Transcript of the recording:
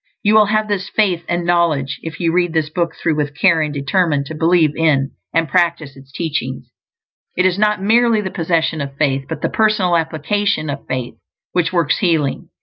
You will have this faith and knowledge if you read this book through with care and determine to believe in and practice its teachings. It is not merely the possession of faith, but the personal application of faith which works healing.